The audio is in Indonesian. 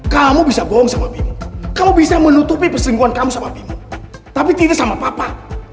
kamu bisa bohong sama bimu kalau bisa menutupi perselingkuhan kamu sama bimo tapi tidak sama papa